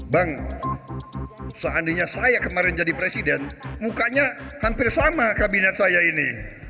bang seandainya saya kemarin jadi presiden mukanya hampir sama kabinet saya ini